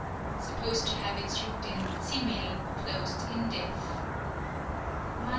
_ Supposed to have its root in cimil, "closed in death." 4th.